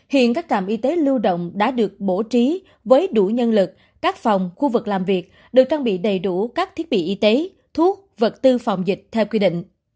hiện các trạm y tế lưu động đã được bổ trí với đủ nhân lực các phòng khu vực làm việc được trang bị đầy đủ các thiết bị y tế thuốc vật tư phòng dịch theo quy định